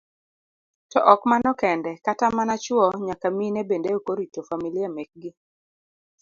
To ok mano kende, kata mana chuo nyaka mine bende ok orito familia mekgi.